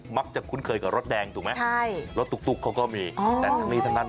คุ้นเคยกับรถแดงถูกไหมใช่รถตุ๊กเขาก็มีแต่ทั้งนี้ทั้งนั้น